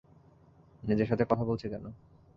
নিজের সাথে কথা বলছি কেন?